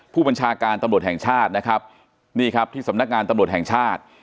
ผู้บัญชาการตำรวจแห่งชาติที่สำนักงานตำรวจแห่งชาติ